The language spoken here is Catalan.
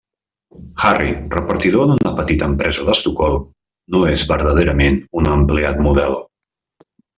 Harry, repartidor en una petita empresa d'Estocolm, no és verdaderament un empleat model.